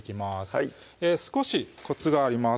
はい少しコツがあります